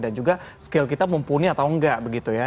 dan juga skill kita mumpuni atau enggak begitu ya